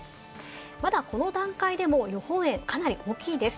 まだこの段階でも予報円、かなり大きいです。